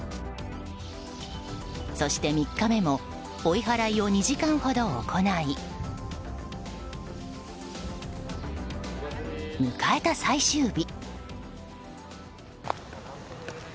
そして３日目も追い払いを２時間ほど行い迎えた最終日。